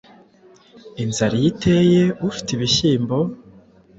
Inzara iyo iteye ufite ibishyimbo